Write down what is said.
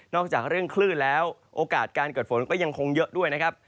จากเรื่องคลื่นแล้วโอกาสการเกิดฝนก็ยังคงเยอะด้วยนะครับ